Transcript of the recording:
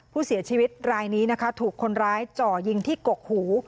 ผู้เสียชีวิตรายนี้นะคะถูกคนร้ายจ่อยิงที่กกหู